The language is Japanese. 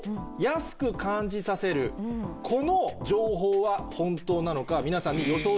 この情報は本当なのか皆さんに予想してもらいたい。